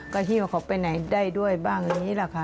ก็หิ้วเขาไปไหนได้ด้วยบ้างอย่างนี้แหละค่ะ